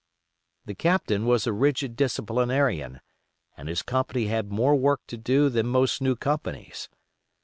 The Captain was a rigid disciplinarian, and his company had more work to do than most new companies.